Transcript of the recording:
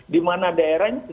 di mana daerahnya